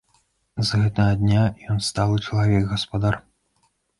З гэтага дня ён сталы чалавек, гаспадар.